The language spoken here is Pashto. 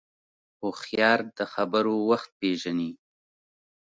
هوښیار د خبرو وخت پېژني